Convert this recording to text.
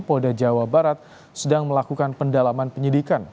polda jawa barat sedang melakukan pendalaman penyidikan